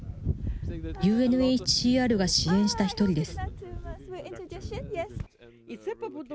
ＵＮＨＣＲが支援した１人です。